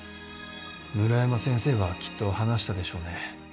村山先生はきっと話したでしょうね。